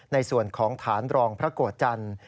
ในส่วนของฐานรองพระโกรธจันทร์